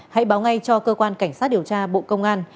hãy báo ngay cho cơ quan cảnh sát điều tra bộ công an